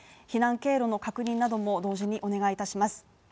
避難経路の確認なども同時にお願いいたます。